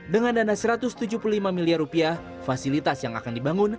dengan dana rp satu ratus tujuh puluh lima miliar rupiah fasilitas yang akan dibangun